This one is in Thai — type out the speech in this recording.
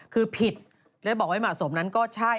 คือผิดและบอกไว้เหมาะสมนั้นก็ใช่